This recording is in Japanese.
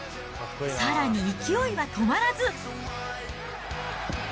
さらに勢いは止まらず。